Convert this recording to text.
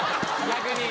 逆に？